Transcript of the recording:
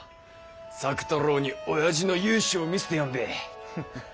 作太郎におやじの雄姿を見せてやんべぇ。